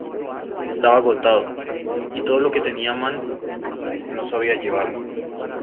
Estaba agotado, y todo lo que tenía a mano... no sabía llevarlo".